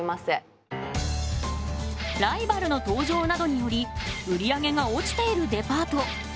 ライバルの登場などにより売り上げが落ちているデパート。